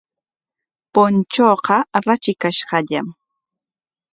Punchuuqa ratrikashqañam.